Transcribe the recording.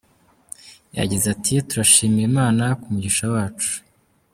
Yagize ati “Turashimira Imana ku mugisha wacu.